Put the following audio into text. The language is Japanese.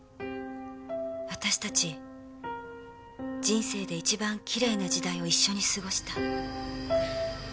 私たち人生で一番きれいな時代を一緒に過ごした。